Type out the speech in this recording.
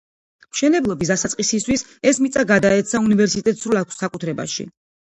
მშენებლობის დასაწყისისთვის ეს მიწა გადაეცა უნივერსიტეტს სრულ საკუთრებაში.